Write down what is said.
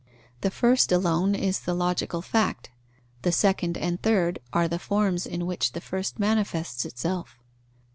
The first alone is the logical fact, the second and third are the forms in which the first manifests itself.